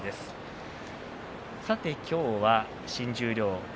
今日は新十両藤